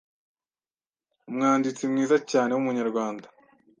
umwanditsi mwiza cyane wumunyarwanda